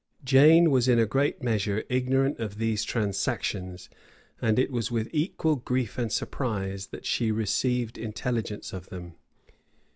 Jane was in a great measure ignorant of these transactions; and it was with equal grief and surprise that she received intelligence of them.